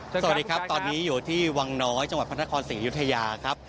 สวัสดีครับตอนนี้อยู่ที่วังน้อยจังหวัดพระนครศรีอยุธยาครับ